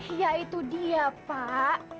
ya itu dia pak